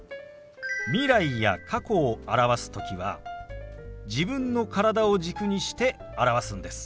未来や過去を表す時は自分の体を軸にして表すんです。